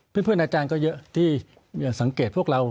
เพื่อนอาจารย์ก็เยอะที่สังเกตพวกเรา